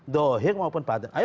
dohir maupun maksud